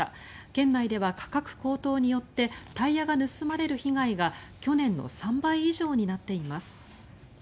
県内では価格高騰によってタイヤが盗まれる被害が去年の３倍以上になっています。